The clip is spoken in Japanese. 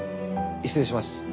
失礼します。